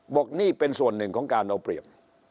บอกนี่เป็นส่วนหนึ่งของการเอาเปรียบ